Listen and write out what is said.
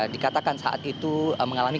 dikatakan saat itu mengalami